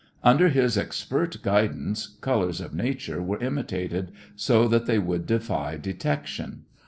Under his expert guidance, colors of nature were imitated so that they would defy detection.